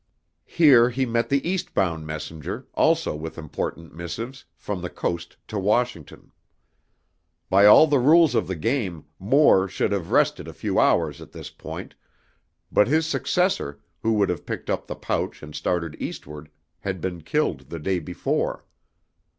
Here he met the eastbound messenger, also with important missives, from the Coast to Washington. By all the rules of the game Moore should have rested a few hours at this point, but his successor, who would have picked up the pouch and started eastward, had been killed the day before.